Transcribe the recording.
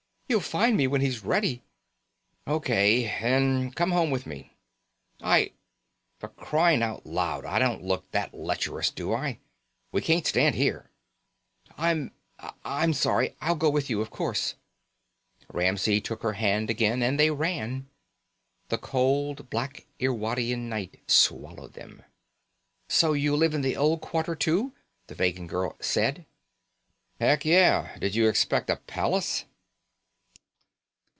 He'll find me when he's ready." "O.K. Then come home with me." "I " "For crying out loud, I don't look that lecherous, do I? We can't just stand here." "I I'm sorry. I'll go with you of course." Ramsey took her hand again and they ran. The cold black Irwadian night swallowed them. "So you live in the Old Quarter too," the Vegan girl said. "Heck yeah. Did you expect a palace?"